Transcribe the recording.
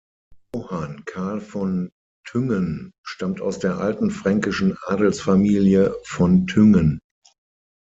Johann Karl von Thüngen stammt aus der alten fränkischen Adelsfamilie von Thüngen.